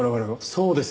そうですよ。